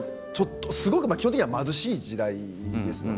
基本的には貧しい時代ですよね